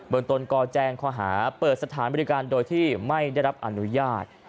ตนก็แจ้งข้อหาเปิดสถานบริการโดยที่ไม่ได้รับอนุญาต